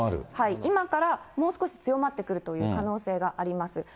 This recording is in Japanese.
今からもう少し強まってくるという可能性があります。